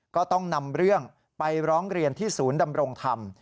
ก็ต้องนำเรื่องไปร้องเรียนที่ศูนย์ดำรงธรรม